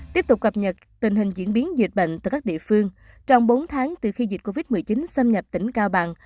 tiếp tục cập nhật tình hình diễn biến dịch bệnh từ các địa phương trong bốn tháng từ khi dịch covid một mươi chín xâm nhập tỉnh cao bằng